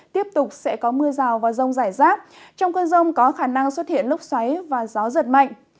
tiếp tục sẽ có mưa rào và rông rải rác trong cơn rông có khả năng xuất hiện lốc xoáy và gió giật mạnh